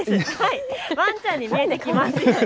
ワンちゃんに見えてきます。